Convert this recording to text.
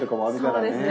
そうですね。